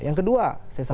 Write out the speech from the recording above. yang kedua saya sampaikan